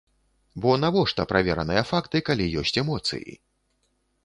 Бо навошта правераныя факты, калі ёсць эмоцыі?